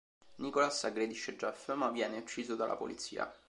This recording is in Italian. Nicholas aggredisce Jeff, ma viene ucciso dalla polizia.